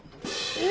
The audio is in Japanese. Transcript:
え。